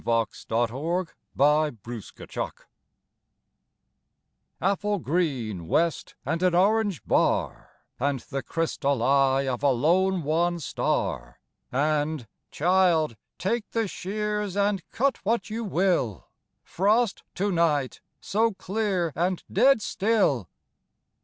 Thomas "Frost To Night" APPLE GREEN west and an orange bar, And the crystal eye of a lone, one star …And, "Child, take the shears and cut what you will, Frost to night—so clear and dead still."